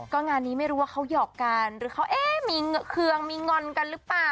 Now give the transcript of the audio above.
ก็งานนี้ไม่รู้ว่าเขาหยอกกันหรือเขาเอ๊ะมีเครื่องมีงอนกันหรือเปล่า